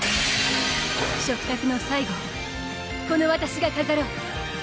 食卓の最後をこのわたしが飾ろう！